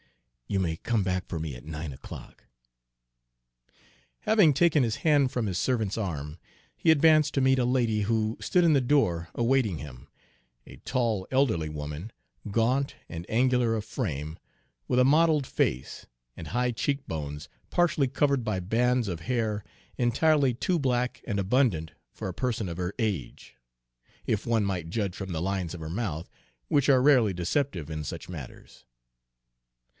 "You may come back for me at nine o'clock." Having taken his hand from his servant's arm, he advanced to meet a lady who stood in the door awaiting him, a tall, elderly woman, gaunt and angular of frame, with a mottled face, and high cheekbones partially covered by bands of hair entirely too black and abundant for a person of her age, if one might judge from the lines of her mouth, which are rarely deceptive in such matters.